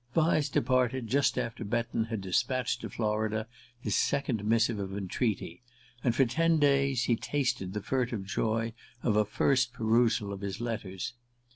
Vyse departed just after Betton had despatched to Florida his second missive of entreaty, and for ten days he tasted the furtive joy of a first perusal of his letters.